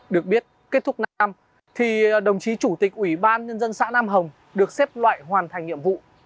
được biết kết thúc năm thì đồng chí chủ tịch ủy ban nhân dân xã nam hồng được xếp loại hoàn thành nhiệm vụ